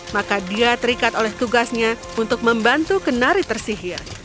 maka dia terikat oleh tugasnya untuk membantu kenari tersihir